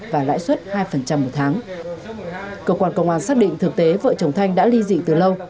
và lãi suất hai một tháng cơ quan công an xác định thực tế vợ chồng thanh đã ly dị từ lâu